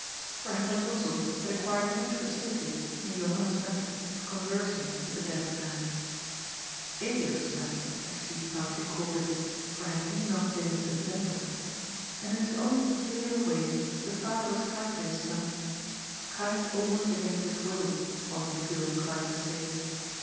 For Hendrik Los sell had acquired much facility in Johaniia's method of conversing with the deaf man — Elias's method, as she proudly called it, for had he not been its inventor ?— ^and in his own peculiar way the father was kind to his son, kind almost against his will, one would feel inclined to say.